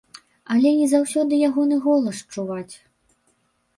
Але не заўсёды ягоны голас чуваць.